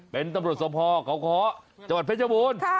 เป็นตำรวจสมพเขาเคาะจังหวัดเพชรบูรณ์